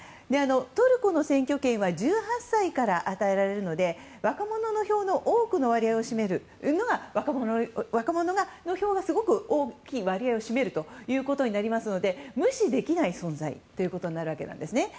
トルコの選挙権は１８歳から与えられるので票の多くの割合を占める若者がすごく大きい割合を占めることになりますので無視できない存在になるわけです。